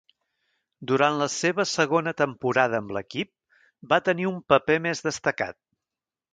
Durant la seva segona temporada amb l'equip, va tenir un paper més destacat.